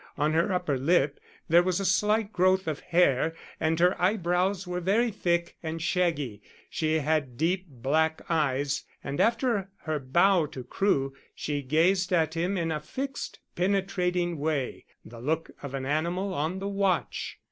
On her upper lip there was a slight growth of hair and her eyebrows were very thick and shaggy. She had deep black eyes, and after her bow to Crewe she gazed at him in a fixed penetrating way the look of an animal on the watch.